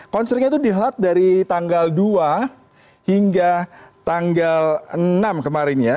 konsernya itu dihelat dari tanggal dua hingga tanggal enam kemarin ya